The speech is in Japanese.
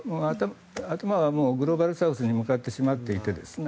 頭はグローバルサウスに向かってしまっていて。